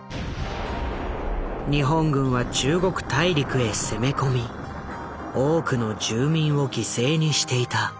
日本軍は中国大陸へ攻め込み多くの住民を犠牲にしていた。